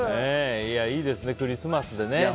いいですね、クリスマスでね。